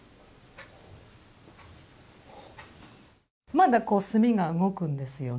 まだこう墨が動くんですよね。